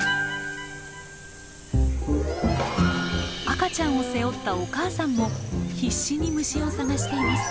赤ちゃんを背負ったお母さんも必死に虫を探しています。